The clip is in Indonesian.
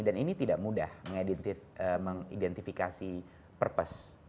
ini tidak mudah mengidentifikasi purpose